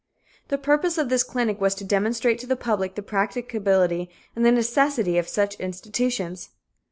The purpose of this clinic was to demonstrate to the public the practicability and the necessity of such institutions.